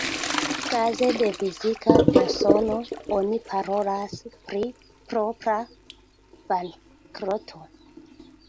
Kaze de fizika persono, oni parolas pri propra bankroto.